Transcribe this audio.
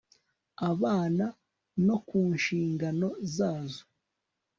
abana no ku nshingano zazo